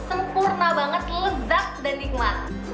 sempurna banget lezat dan nikmat